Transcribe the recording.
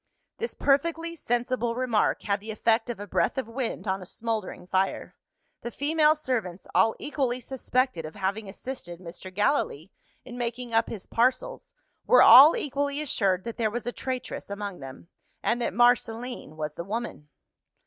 This perfectly sensible remark had the effect of a breath of wind on a smouldering fire. The female servants, all equally suspected of having assisted Mr. Gallilee in making up his parcels, were all equally assured that there was a traitress among them and that Marceline was the woman.